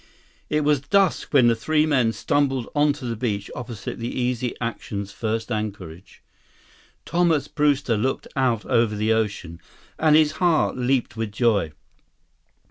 It was dusk when the three men stumbled onto the beach opposite the Easy Action's first anchorage. Thomas Brewster looked out over the ocean, and his heart leaped with joy.